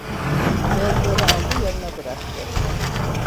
Kâğıtları aldı, yanına bıraktı.